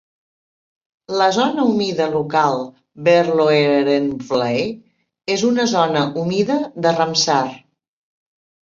La zona humida local, Verloerenvlei, és una zona humida de Ramsar.